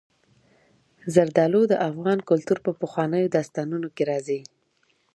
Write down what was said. زردالو د افغان کلتور په پخوانیو داستانونو کې راځي.